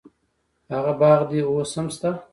هغه باغ دې اوس هم شته.